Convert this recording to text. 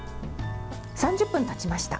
３０分たちました。